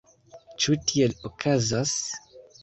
Ĉu tiel okazas?